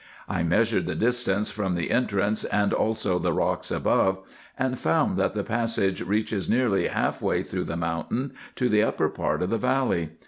I measured the distance from the entrance, and also the rocks above, and found, that the passage reaches nearly half way through the mountain to the upper part of the valley.